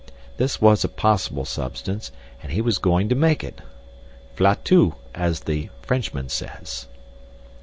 This was a possible substance, and he was going to make it! V'la tout, as the Frenchman says.